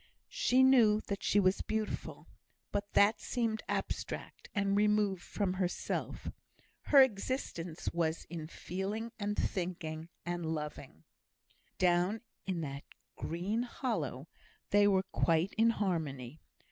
She knew that she was beautiful; but that seemed abstract, and removed from herself. Her existence was in feeling, and thinking, and loving. Down in that green hollow they were quite in harmony.